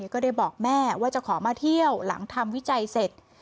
ก็ได้บอกแม่ว่าจะขอมาเที่ยวหลังทำวิจัยเสร็จ